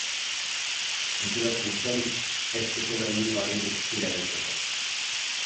Konturatzen zen ez zutela inongo haririk tira egiteko.